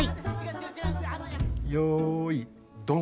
よいドン。